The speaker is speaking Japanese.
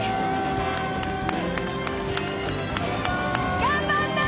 頑張ったね！